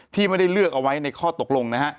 ที่ไม่ได้เลือกเอาไว้ในข้อตกลงนะฮะ